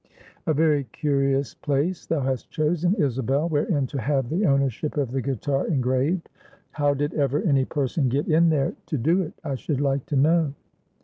"A very curious place thou hast chosen, Isabel, wherein to have the ownership of the guitar engraved. How did ever any person get in there to do it, I should like to know?"